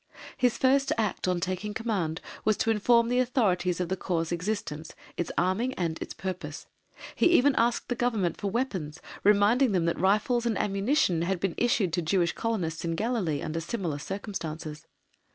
His first act on taking command was to inform the Authorities of the Corps' existence, its arming, and its purpose. He even asked the Government for weapons, reminding them that rifles and ammunition had been issued to Jewish Colonists in Galilee under similar circumstances.